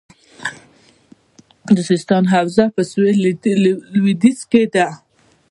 د سیستان حوزه په سویل لویدیځ کې ده